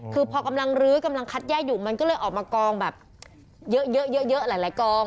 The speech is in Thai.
คือพอกำลังรื้อกำลังคัดแยกอยู่มันก็เลยออกมากองแบบเยอะหลายกอง